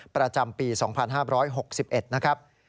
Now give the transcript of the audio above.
ประจำปี๒๕๖๑นะครับ